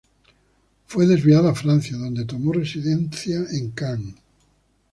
Fue desviado a Francia, donde tomó residencia en Cannes.